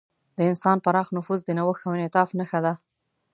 د انسان پراخ نفوذ د نوښت او انعطاف نښه ده.